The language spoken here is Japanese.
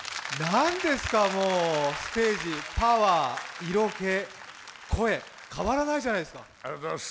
なんですか、ステージ、パワー、色気、声、変わらないじゃないですか。